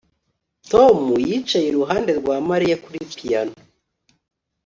Tom yicaye iruhande rwa Mariya kuri piyano